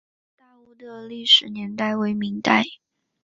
上洋大屋的历史年代为明代。